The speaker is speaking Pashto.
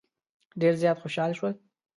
ډېر زیات خوشال شول.